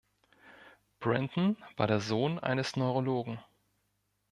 Brinton war der Sohn eines Neurologen.